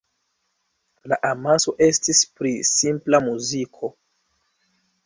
La amaso estis pri simpla muziko.